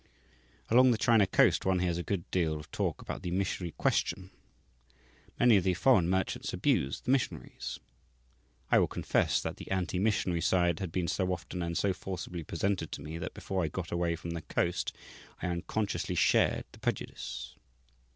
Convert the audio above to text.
Along the China coast one hears a good deal of talk about the "missionary question." Many of the foreign merchants abuse the missionaries. I will confess that the "anti missionary" side had been so often and so forcibly presented to me that before I got away from the coast I unconsciously shared the prejudice.